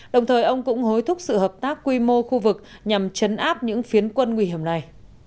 đồng thời ông cũng hối thúc sự hợp tác quy mô khu vực nhằm chấn áp những phiến quân nguy hiểm này